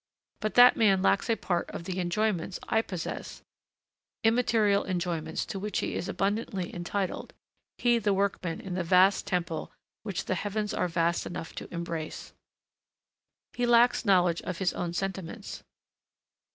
But that man lacks a part of the enjoyments I possess, immaterial enjoyments to which he is abundantly entitled, he the workman in the vast temple which the heavens are vast enough to embrace. He lacks knowledge of his own sentiments.